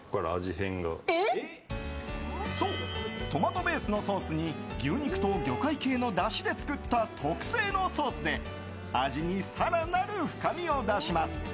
そう、トマトベースのソースに牛肉と魚介系のだしで作った特製のソースで味に更なる深みを出します。